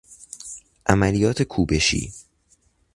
عملیات کوبشی